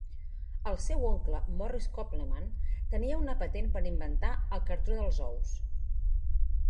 El seu oncle, Morris Koppelman, tenia una patent per inventar el cartró dels ous.